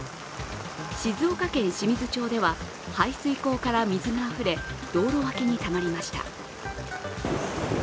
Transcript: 静岡県清水町では排水溝から水があふれ道路脇にたまりました。